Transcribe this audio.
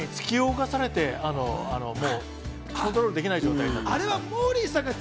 あれは運命に突き動かされてコントロールできない状態。